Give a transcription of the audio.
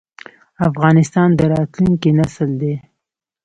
افغانستان د راتلونکي نسل دی